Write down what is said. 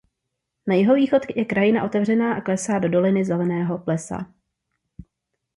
Na jihovýchod je krajina otevřená a klesá do Doliny Zeleného plesa.